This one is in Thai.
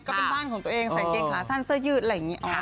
ก็เป็นบ้านของตัวเองใส่เกงขาสั้นเสื้อยืดอะไรอย่างนี้